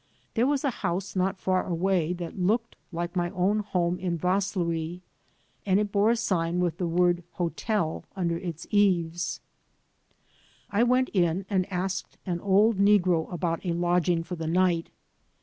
There was a house not far away that looked like my own home in Vaslui, and it bore a sign with the word "HoteP' over its eaves. I went in and asked an old negro about a lodging for the night.